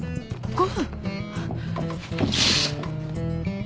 ５分？